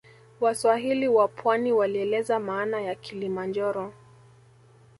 Waswahili wa pwani walieleza maana ya kilimanjoro